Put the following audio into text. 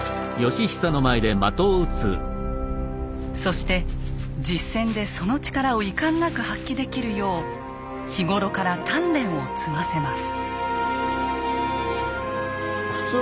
そして実戦でその力をいかんなく発揮できるよう日頃から鍛錬を積ませます。